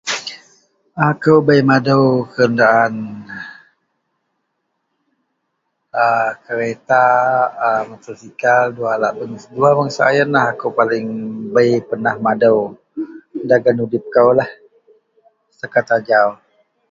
akou bei madou kenderaan a kereta a motosikal, dua alak dua bangsa ienlah akou paling bei pernah madou dagen udip koulah setaket ajau